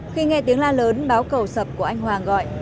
khi nghe tiếng la lớn báo cầu sập của anh hoàng gọi